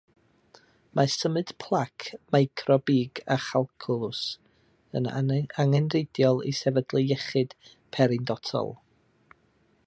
Mae symud plac microbig a chalcalws yn angenrheidiol i sefydlu iechyd periodontol.